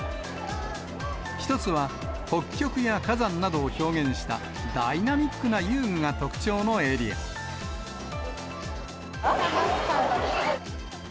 １つは、北極や火山などを表現したダイナミックな遊具が特徴のエリア。楽しかった。